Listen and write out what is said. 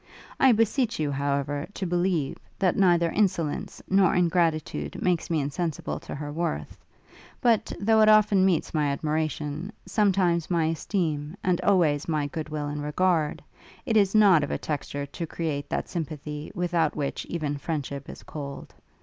I beseech you, however, to believe, that neither insolence nor ingratitude makes me insensible to her worth; but, though it often meets my admiration, sometimes my esteem, and always my good will and regard, it is not of a texture to create that sympathy without which even friendship is cold.